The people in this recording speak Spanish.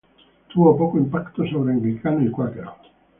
Tuvo poco impacto sobre anglicanos y cuáqueros.